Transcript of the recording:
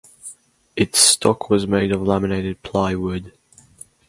Its stock was made of laminated plywood.